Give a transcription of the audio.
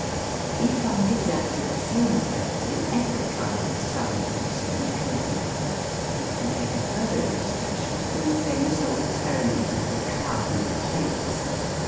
We find exactly the same effect in every kind of sound producing mechanism. We can take a further illustration from the famous old experi ment of the Chladni plates.